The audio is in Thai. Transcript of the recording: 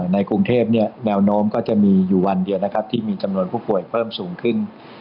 ในกรุงเทพแนวโน้มก็จะมีอยู่วันเดียวนะครับที่มีจำนวนผู้ป่วยเพิ่มสูงขึ้น